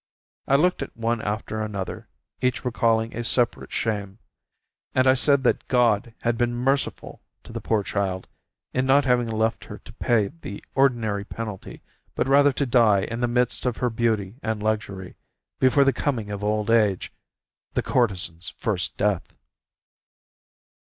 I looked at one after another, each recalling a separate shame, and I said that God had been merciful to the poor child, in not having left her to pay the ordinary penalty, but rather to die in the midst of her beauty and luxury, before the coming of old age, the courtesan's first death.